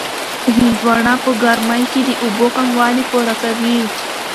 هندواڼه په ګرمۍ کې د اوبو کموالی پوره کوي.